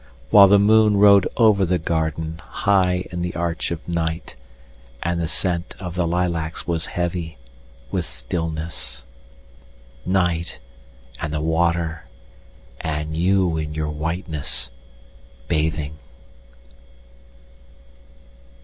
While the moon rode over the garden, High in the arch of night, And the scent of the lilacs was heavy with stillness. Night, and the water, and you in your whiteness, bathing!